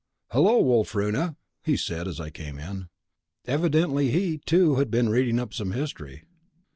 "Hello, Wulfruna!" he said, as I came in. Evidently he, too, had been reading up some history.